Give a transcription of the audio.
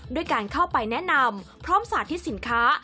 ด้วยการเข้าไปแนะนำพร้อมสาธิตสินค้า